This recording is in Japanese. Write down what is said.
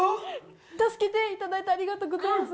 助けていただいてありがとうございます。